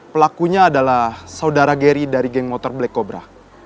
pelakunya adalah saudara geri dari geng motor black cobra